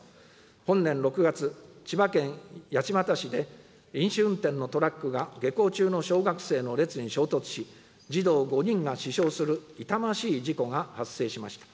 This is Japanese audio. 本年６月、千葉県八街市で、飲酒運転のトラックが、下校中の小学生の列に衝突し、児童５人が死傷する痛ましい事故が発生しました。